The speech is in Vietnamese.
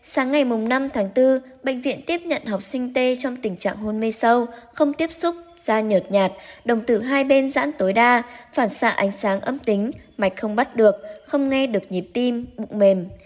sáng ngày năm tháng bốn bệnh viện tiếp nhận học sinh t trong tình trạng hôn mê sâu không tiếp xúc da nhợt nhạt đồng cử hai bên giãn tối đa phản xạ ánh sáng âm tính mạch không bắt được không nghe được nhịp tim bụng mềm